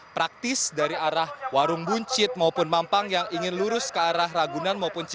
praktis dari arah warung buncit maupun mampang yang ingin lurus ke arah ragunan maupun ciri